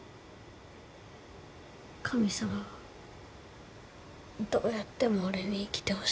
神様はどうやっても俺に生きてほしくないんだ。